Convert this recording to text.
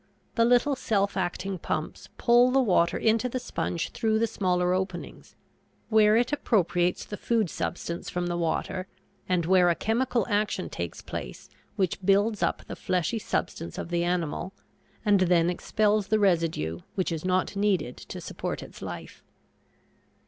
The little self acting pumps pull the water into the sponge through the smaller openings, where it appropriates the food substance from the water and where a chemical action takes place which builds up the fleshy substance of the animal, and then expels the residue which is not needed to support its life.